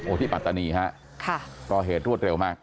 โอธิบัตนีฮะก็เหตุรวจเร็วมาก